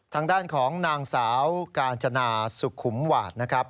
ทางด้านของนางสาวกาญจนาสุขุมหวาดนะครับ